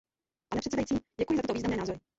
Pane předsedající, děkuji za tyto významné názory.